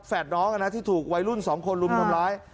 แฝดน้องนะที่ถูกวัยรุ่นสองคนรุมน้ำร้าย